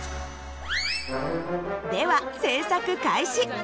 では製作開始。